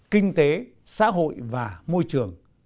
kinh tế xã hội và môi trường